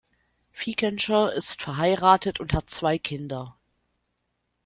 Fikentscher ist verheiratet und hat zwei Kinder.